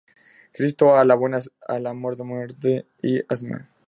Cristo de la Buena Muerte y la Stma.